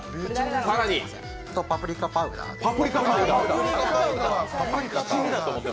更にパプリカパウダーです。